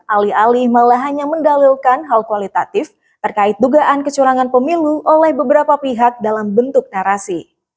alih alih malah hanya mendalilkan hal kualitatif terkait dugaan kecurangan pemilu oleh beberapa pihak dalam bentuk narasi